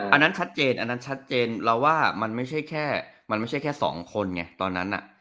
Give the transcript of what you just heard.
อันนั้นชัดเจนอันนั้นชัดเจนเราว่ามันไม่ใช่แค่๒คนไงตอนนั้นน่ะ